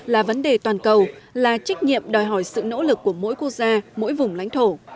là vấn đề toàn cầu là trách nhiệm đòi hỏi sự nỗ lực của mỗi quốc gia mỗi vùng lãnh thổ